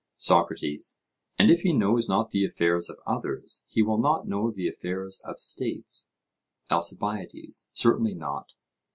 SOCRATES: And if he knows not the affairs of others, he will not know the affairs of states? ALCIBIADES: Certainly not.